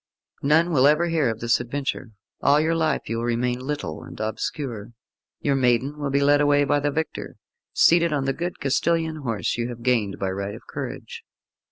None will ever hear of this adventure; all your life you will remain little and obscure. Your maiden will be led away by the victor, seated on the good Castilian horse you have gained by right of courage.